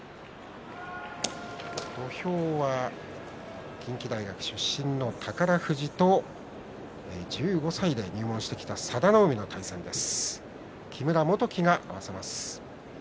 土俵は近畿大学出身の宝富士と１５歳で入門してきた佐田の海の対戦です。